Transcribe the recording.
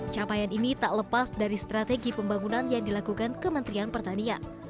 capaian ini tak lepas dari strategi pembangunan yang dilakukan kementerian pertanian